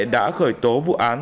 đã khởi tố vụ án